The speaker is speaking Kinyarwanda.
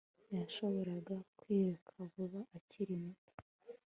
Yashoboraga kwiruka vuba akiri muto